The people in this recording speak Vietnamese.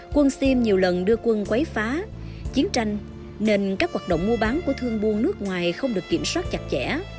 quân siem nhiều lần đưa quân quấy phá chiến tranh nên các hoạt động mua bán của thương buôn nước ngoài không được kiểm soát chặt chẽ